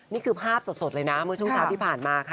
นี่คือภาพสดเลยนะเมื่อช่วงเช้าที่ผ่านมาค่ะ